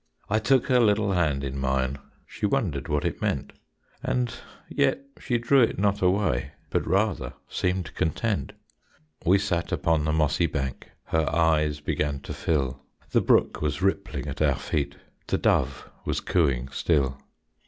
I took her little hand in mine; She wondered what it meant, And yet she drew it not away, But rather seemed content. We sat upon the mossy bank, Her eyes began to fill; The brook was rippling at our feet, The dove was cooing still.